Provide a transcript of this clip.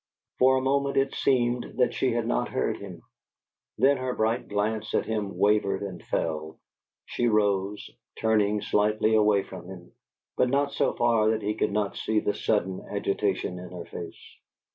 For a moment it seemed that she had not heard him. Then her bright glance at him wavered and fell. She rose, turning slightly away from him, but not so far that he could not see the sudden agitation in her face.